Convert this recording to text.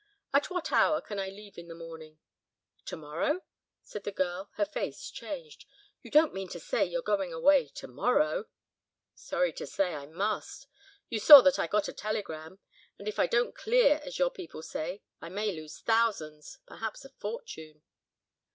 At what hour can I leave in the morning?" "To morrow?" said the girl, and her face changed. "You don't mean to say you're going away to morrow?" "Sorry to say I must; you saw that I got a telegram, and if I don't clear, as your people say, I may lose thousands, perhaps a fortune."